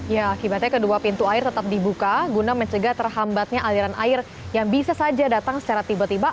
ya akibatnya kedua pintu air tetap dibuka guna mencegah terhambatnya aliran air yang bisa saja datang secara tiba tiba